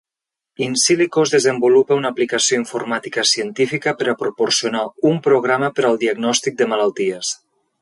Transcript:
Insilicos desenvolupa una aplicació informàtica científica per a proporcionar un programa per al diagnòstic de malalties.